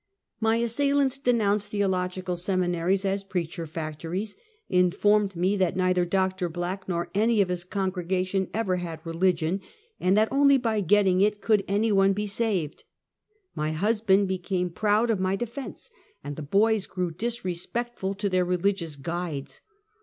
My assailants denounced theological semina ries as •' preacher factories "— informed me that " nei ther Dr. Black nor any of his congregation ever had religion," and that only by getting it could any one be saved. My husband became proud of my defense, and the boys grew disrespectful to their religious guides.